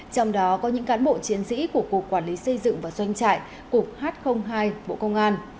trong đó có những cán bộ chiến sĩ của cục quản lý xây dựng và doanh trại cục h hai bộ công an